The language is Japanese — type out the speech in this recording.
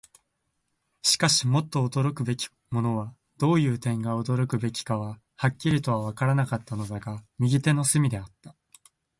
しかし、もっと驚くべきものは、どういう点が驚くべきかははっきりとはわからなかったのだが、右手の隅であった。